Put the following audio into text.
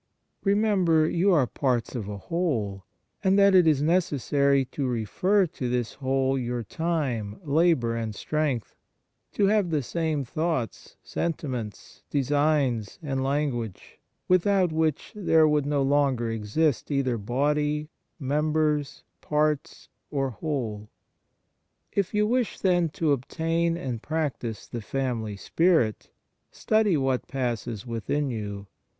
Remember you are parts of a whole, and that it is necessary to refer to this whole your time, labour, and strength ; to have the same thoughts, senti ments, designs, and language, without which there would no longer exist either body, members, parts, or whole. If you wish, then, to obtain and practise the family spirit, study what passes within you.